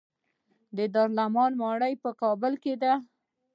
د دارالامان ماڼۍ په کابل کې ده